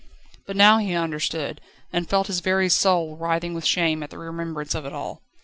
But now he understood, and felt his very soul writhing with shame at the remembrance of it all.